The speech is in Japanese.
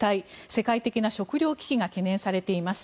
世界的な食糧危機が懸念されています。